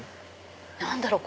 何だろう？